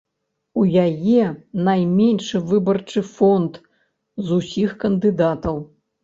У яе найменшы выбарчы фонд з усіх кандыдатаў.